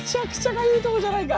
かゆいところじゃないか。